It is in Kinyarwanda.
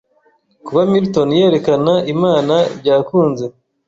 kuba Milton yerekana Imana byakunze